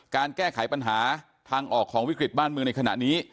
การแก้ไขปัญหาทางออกของวิกฤตบ้านเมืองในขณะนี้